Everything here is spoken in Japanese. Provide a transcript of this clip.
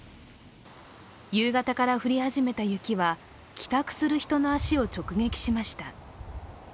夕方から降り始めた雪は帰宅する人の足を直撃しました。